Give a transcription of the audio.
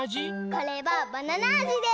これはバナナあじです！